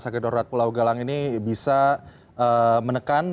saya berharap bahwa sakit darurat pulau galang ini bisa menekan